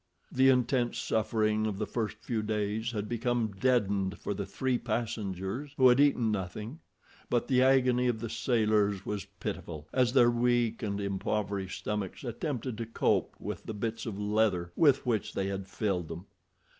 The intense suffering of the first few days had become deadened for the three passengers who had eaten nothing, but the agony of the sailors was pitiful, as their weak and impoverished stomachs attempted to cope with the bits of leather with which they had filled them.